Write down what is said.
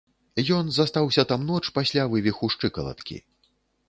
Ён застаўся там ноч пасля вывіху шчыкалаткі.